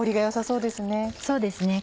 そうですね。